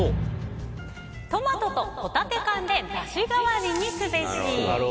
トマトとホタテ缶でダシ代わりにすべし。